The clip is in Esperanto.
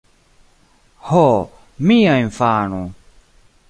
Ho, mia infano!